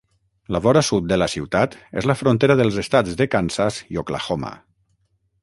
La vora sud de la ciutat és la frontera dels estats de Kansas i Oklahoma.